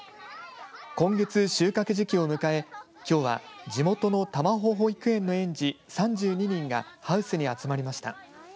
今月、収穫時期を迎えきょうは地元の玉穂保育園の園児３２人がハウスに集まりました。